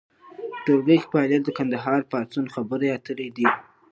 په ټولګي کې فعالیت د کندهار پاڅون خبرې اترې دي.